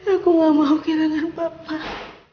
aku gak mau kehilangan bapak